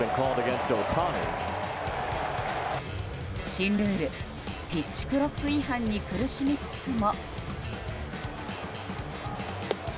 新ルールピッチクロック違反に苦しみつつも。